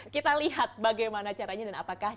kita lihat bagaimana caranya dan apakah